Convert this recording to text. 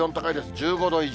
１５度以上。